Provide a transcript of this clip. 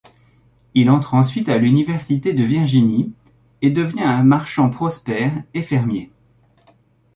Il entre ensuite à l'université de Virginie et devient un marchand prospère et fermier.